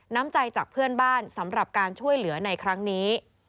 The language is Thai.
น้ำใจจากเพื่อนบ้านสำหรับการช่วยเหลือในครั้งนี้